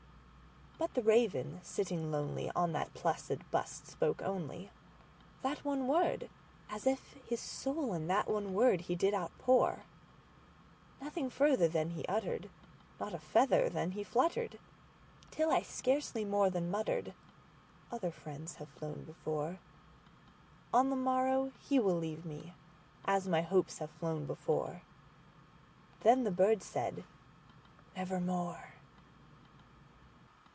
But the Raven, sitting lonely on the placid bust, spoke onlyThat one word, as if his soul in that one word he did outpour. Nothing further then he uttered, not a feather then he fluttered, Till I scarcely more than muttered,—"Other friends have flown before; On the morrow he will leave me, as my Hopes have flown before."Then the bird said, "Nevermore."